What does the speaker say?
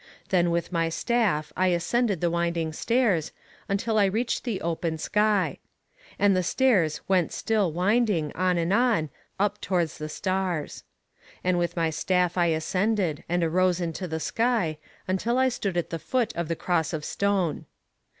Then with my staff I ascended the winding stairs, until I reached the open sky. And the stairs went still winding, on and on, up towards the stars. And with my staff I ascended, and arose into the sky, until I stood at the foot of the cross of stone.